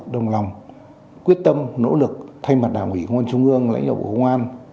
đồng lòng quyết tâm nỗ lực thay mặt đảng ủy công an trung ương lãnh đạo bộ công an